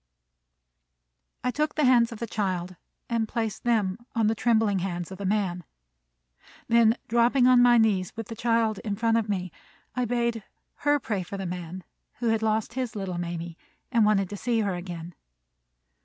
I took the hands of the child, and placed them on the trembling hands of the man. Then, dropping on my knees, with the child in front of me, I bade her pray for the man who had lost his little Mamie, and wanted to see her again.